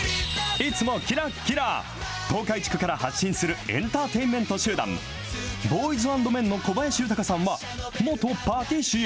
いつもきらっきら、東海地区から発信するエンターテイメント集団、ボーイズアンドメンの小林豊さんは、元パティシエ。